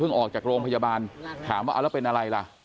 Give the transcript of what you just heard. ออกจากโรงพยาบาลถามว่าเอาแล้วเป็นอะไรล่ะ